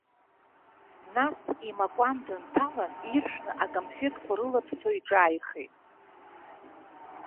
Нас, имакәан дынҭалан, иршәны акамфеҭқәа рылаԥсо иҿааихеит.